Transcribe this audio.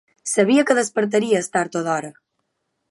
Sabia que despertaries tard o d'hora!